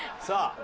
さあ